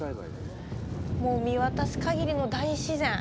もう見渡す限りの大自然。